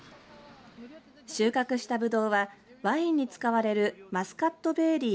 収穫したぶどうはワインに使われるマスカットベーリー